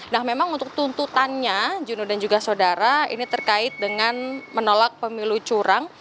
nah memang untuk tuntutannya juno dan juga saudara ini terkait dengan menolak pemilu curang